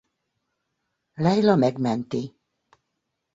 Layla megmenti.